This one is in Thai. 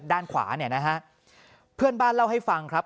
ด้านขวาเนี่ยนะฮะเพื่อนบ้านเล่าให้ฟังครับ